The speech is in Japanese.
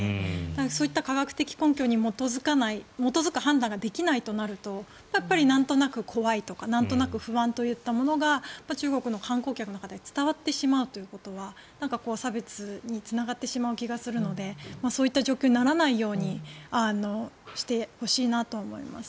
そういった科学的根拠に基づく判断ができないとなるとやっぱり、なんとなく怖いとかなんとなく不安といったものが中国の観光客の中に伝わってしまうということは差別につながってしまう気がするのでそういった状況にならないようにしてほしいなと思います。